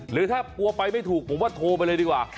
หรือถ้ากลัวไปไม่ถูกผมว่าโทรไปเลยดีกว่า